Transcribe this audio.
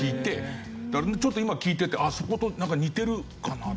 ちょっと今聞いててそことなんか似てるかな。